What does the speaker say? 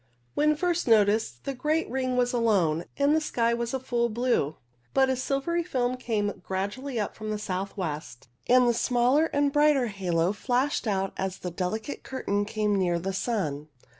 When first noticed the great ring was alone, and the sky was of a full blue, but a silvery film came gradually up from the south west, and the smaller and brighter halo flashed out as the delicate curtain came near the sun.